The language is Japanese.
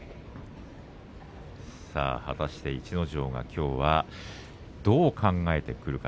果たして逸ノ城がどう考えてくるか。